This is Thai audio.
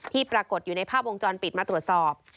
ปรากฏอยู่ในภาพวงจรปิดมาตรวจสอบ